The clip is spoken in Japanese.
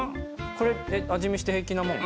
これ味見して平気なもん？